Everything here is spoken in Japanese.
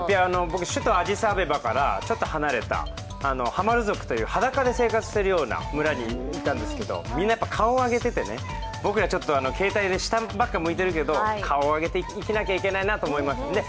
僕、首都のアディスアベバからちょっと離れたナマロ族という、裸で生活してるような村にいったんですけどみんな顔を上げてて、僕ら携帯で下ばっかり向いているけど顔上げて生きなきゃいけないなと思いますね。